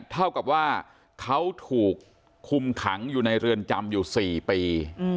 เท่ากับว่าเขาถูกคุมขังอยู่ในเรือนจำอยู่๔ปี